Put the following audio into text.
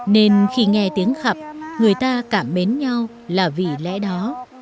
nên khi nghe tiếng khập người ta cảm mến nhau là vì lẽ đó